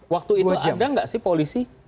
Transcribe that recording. waktu itu ada nggak sih polisi